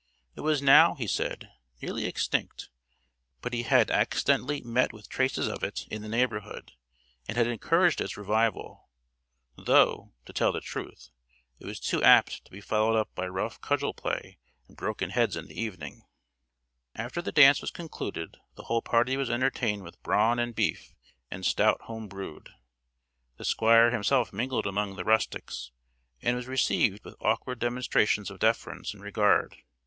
"It was now," he said, "nearly extinct, but he had accidentally met with traces of it in the neighbourhood, and had encouraged its revival; though, to tell the truth, it was too apt to be followed up by rough cudgel play and broken heads in the evening." After the dance was concluded, the whole party was entertained with brawn and beef, and stout home brewed. The Squire himself mingled among the rustics, and was received with awkward demonstrations of deference and regard.